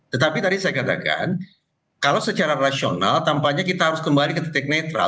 tetapi tadi saya katakan kalau secara rasional tampaknya kita harus kembali ke titik netral